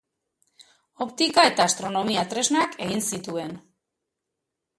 Optika- eta astronomia-tresnak egin zituen.